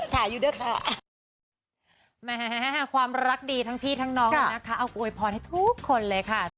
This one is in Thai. ถามเบิ้งด้วยค่ะถามอยู่ด้วยค่ะ